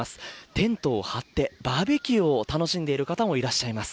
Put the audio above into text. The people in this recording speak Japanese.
テントを張ってバーベキューを楽しんでいる方もいらっしゃいます。